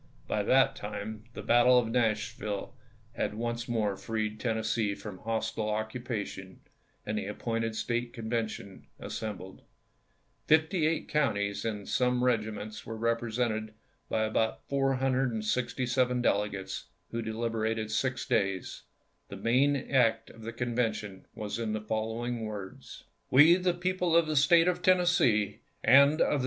By that time the battle of Nashville had once more freed Tennessee from hostile occupation, and the appointed State Convention assembled. Fifty eight counties and some regiments were represented by about 467 del egates, who dehberated six days. The main act of the Convention was in the following words : 448 ABEAHAM LINCOLN ch. XVIII. We, the people of the State of Tennessee and of the 1865.